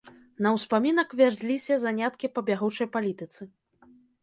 На ўспамінак вярзліся заняткі па бягучай палітыцы.